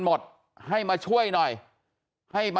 กลับไปลองกลับ